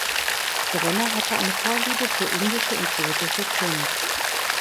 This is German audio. Brenner hatte eine Vorliebe für indische und gotische Kunst.